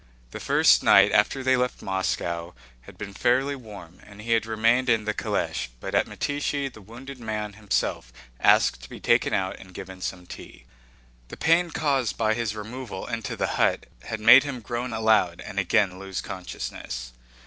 The first night after they left Moscow had been fairly warm and he had remained in the calèche, but at Mytíshchi the wounded man himself asked to be taken out and given some tea. The pain caused by his removal into the hut had made him groan aloud and again lose consciousness.